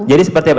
jadi seperti apa